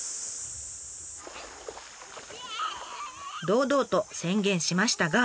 堂々と宣言しましたが。